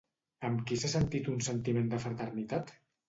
Amb qui s'ha sentit un sentiment de fraternitat?